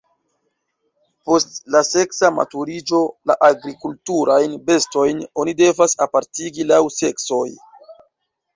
Post la seksa maturiĝo la agrikulturajn bestojn oni devas apartigi laŭ seksoj.